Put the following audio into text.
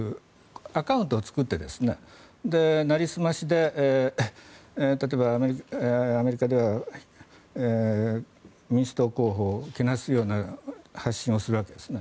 アカウントを作ってなりすましで例えばアメリカでは民主党候補をけなすような発信をするわけですね。